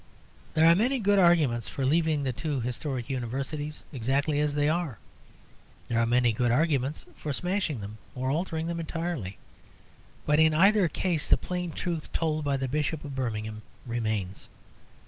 There are many good arguments for leaving the two historic Universities exactly as they are. There are many good arguments for smashing them or altering them entirely. But in either case the plain truth told by the Bishop of Birmingham remains.